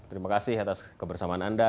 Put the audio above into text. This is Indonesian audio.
terima kasih atas kebersamaan anda